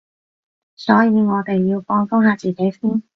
所以我哋要放鬆下自己先